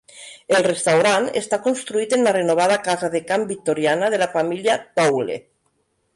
El restaurant està construït en la renovada casa de camp victoriana de la família Towle.